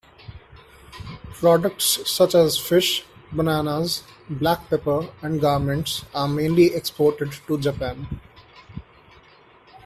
Products such as fish, bananas, black pepper, and garments are mainly exported to Japan.